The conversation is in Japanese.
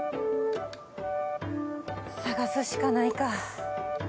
探すしかないか。